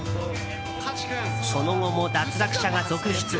その後も脱落者が続出。